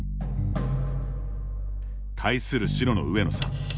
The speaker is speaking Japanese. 対する白の上野さん。